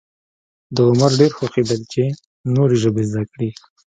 د عمر ډېر خوښېدل چې نورې ژبې زده کړي.